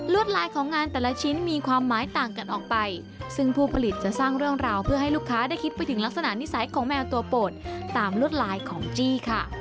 ลายของงานแต่ละชิ้นมีความหมายต่างกันออกไปซึ่งผู้ผลิตจะสร้างเรื่องราวเพื่อให้ลูกค้าได้คิดไปถึงลักษณะนิสัยของแมวตัวโปรดตามลวดลายของจี้ค่ะ